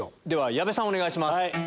では矢部さんお願いします。